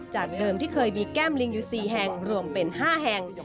จากเดิมที่เคยมีแก้มลิงอยู่๔แห่งรวมเป็น๕แห่ง